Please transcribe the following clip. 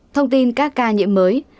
thông tin các ca nhiễm mới